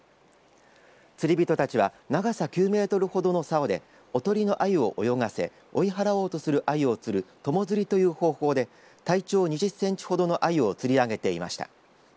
釣り人たちは長さ９メートルほどのさおでおとりのあゆを泳がせ追い払おうとするあゆを釣る、友釣りという方法で体長２０センチほどのあゆを釣りあげていました。